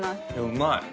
うまい！